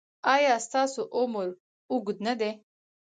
ایا ستاسو عمر اوږد نه دی؟